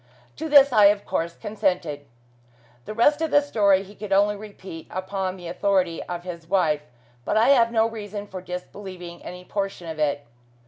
To this I, of course, consented. The rest of the story he could only repeat upon the authority of his wife, but I have no reason for disbelieving any portion of it.